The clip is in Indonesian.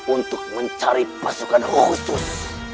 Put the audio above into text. untuk mencari pasukan khusus